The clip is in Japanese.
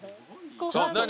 何？